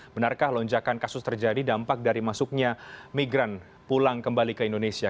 benarkah lonjakan kasus terjadi dampak dari masuknya migran pulang kembali ke indonesia